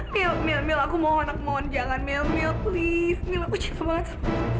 mil mil mil aku mohon nek mohon jangan mil mil please mil aku cinta banget sama kamu